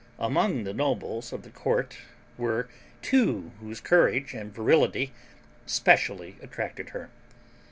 Among the nobles of the court were two whose courage and virility specially attracted her.